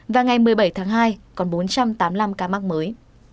và ngày một mươi bảy tháng hai còn bốn trăm tám mươi năm ca mắc mới